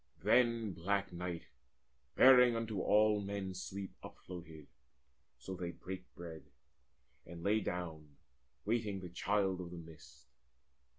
Then black night, bearing unto all men sleep, Upfloated: so they brake bread, and lay down Waiting the Child of the Mist.